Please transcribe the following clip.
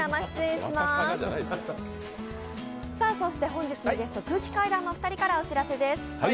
本日のゲスト、空気階段のお二人からお知らせです。